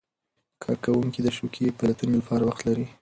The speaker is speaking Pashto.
کارکوونکي د شوقي فعالیتونو لپاره وخت لري.